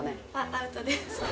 アウトです